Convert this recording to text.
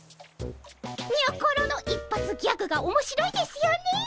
にょころの一発ギャグがおもしろいですよねえ。